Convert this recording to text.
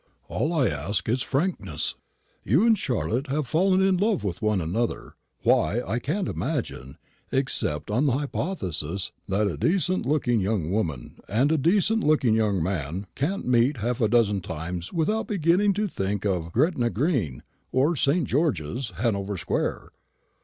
"All I ask is frankness. You and Charlotte have fallen in love with one another why, I can't imagine, except on the hypothesis that a decent looking young woman and a decent looking young man can't meet half a dozen times without beginning to think of Gretna green, or St. George's, Hanover square.